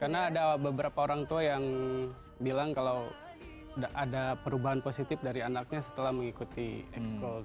karena ada beberapa orang tua yang bilang kalau ada perubahan positif dari anaknya setelah mengikuti ekskul